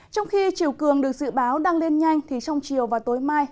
trong khi chiều cường được dự báo đang lên nhanh thì trong chiều và tối mai